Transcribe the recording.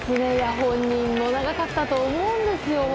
本人も長かったと思うんですよ。